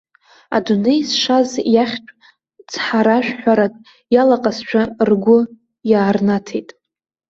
Адунеи зшаз иахьтә цҳаражәҳәарак иалаҟазшәа ргәы иаарнаҭеит.